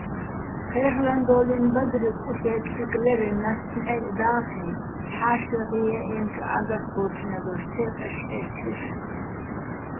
ჴერლ'ანდო́ლინო̆ ბადრი კუშე́ტკკიკლირეჼ ნასტ ნჺაიჸ და́ხიჼ ჰ̦ა́შეღ ჲე́ჸენჩო̆ ა́გას გოჩნადოშ, თეყეშ-ჰე́რჩეშ.